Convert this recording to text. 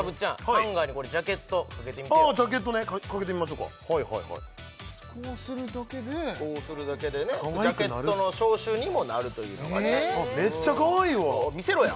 ハンガーにジャケットかけてみてよかけてみましょうかはいはいはいこうするだけでこうするだけでねジャケットの消臭にもなるというのがねめっちゃかわいいわ見せろや！